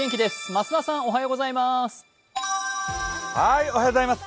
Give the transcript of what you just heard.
増田さんおはようございます。